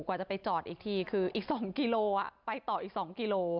กว่าจะไปจอดอีกทีคืออีก๒กิโลไปต่ออีก๒กิโล